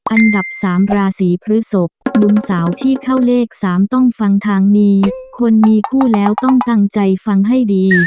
อันดับ๓ราศีพฤศพหนุ่มสาวที่เข้าเลข๓ต้องฟังทางนี้คนมีคู่แล้วต้องตั้งใจฟังให้ดี